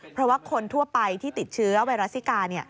เพราะว่าคนทั่วไปที่ติดเชื้อไวรัสซิกา